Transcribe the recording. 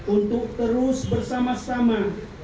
untuk terus bersama sama